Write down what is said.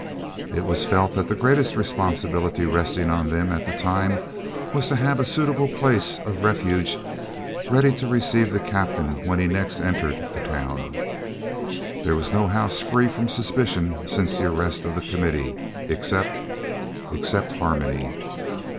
It was felt that the greatest responsibility resting on them at the time was to have a suitable place of refuge ready to receive the Captain when next he entered the town. There was no house free from suspicion since the arrest of the Committee, except except Harmony!